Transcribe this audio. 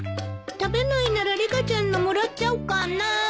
食べないならリカちゃんのもらっちゃおうかな。